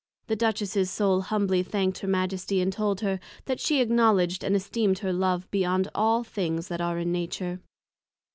The Duchess's Soul humbly thank'd her Majesty, and told her, That she acknowledged and esteemed her Love beyond all things that are in Nature.